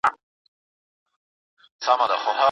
سياسي آند د ژوند اسانتياوې برابروي.